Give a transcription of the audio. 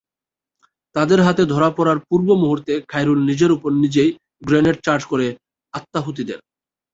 তাদের হাতে ধরা পড়ার পূর্ব মুহূর্তে খায়রুল নিজের ওপর নিজেই গ্রেনেড চার্জ করে আত্মাহুতি দেন।